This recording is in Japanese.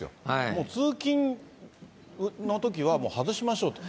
もう通勤のときは外しましょうと。